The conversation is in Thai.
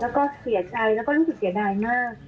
แล้วก็เสียใจแล้วก็รู้สึกเสียดายมาก